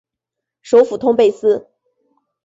首府通贝斯。